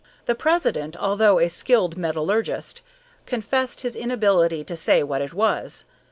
The president, although a skilled metallurgist, confessed his inability to say what it was.